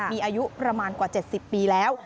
มีอายุประมาณกว่า๗๐ปีแล้ว